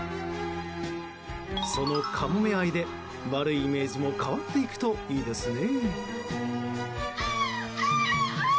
そのカモメ愛で、悪いイメージも変わっていくといいですね。